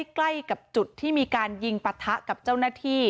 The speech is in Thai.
ใกล้กับจุดที่มีการยิงปะทะกับเจ้าหน้าที่